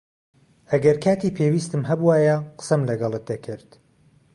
ئەگەر کاتی پێویستم هەبووایە، قسەم لەگەڵت دەکرد.